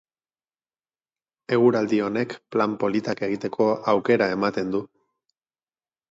Eguraldi honek plan politak egiteko aukera ematen du.